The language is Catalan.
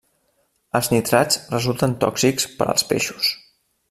Els nitrats resulten tòxics per als peixos.